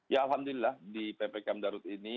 ya alhamdulillah di ppkm darurat ini